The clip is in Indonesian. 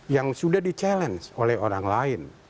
yang sudah di challenge oleh orang lain